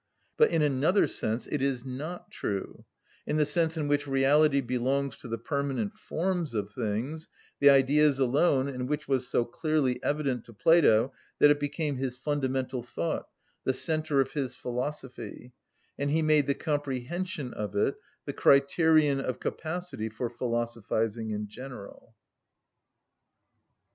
But in another sense it is not true—in the sense in which reality belongs to the permanent forms of things, the Ideas alone, and which was so clearly evident to Plato that it became his fundamental thought, the centre of his philosophy; and he made the comprehension of it the criterion of capacity for philosophising in general.